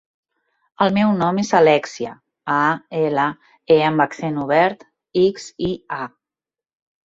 El meu nom és Alèxia: a, ela, e amb accent obert, ics, i, a.